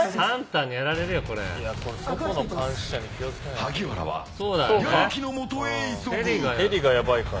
萩原は矢吹のもとへ急ぐ。